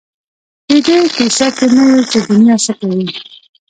په دې کيسه کې نه یو چې دنیا څه کوي.